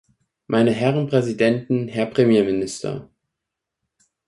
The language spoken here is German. Meine Herren Präsidenten, Herr Premierminister!